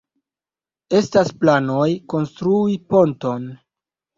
Estas planoj konstrui ponton.